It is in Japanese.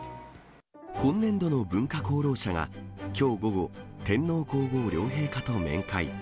今年度の文化功労者がきょう午後、天皇皇后両陛下と面会。